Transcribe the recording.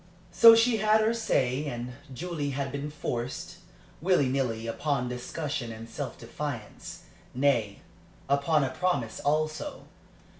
So she had her say, and Julie had been forced, willy nilly, upon discussion and self defence nay, upon a promise also.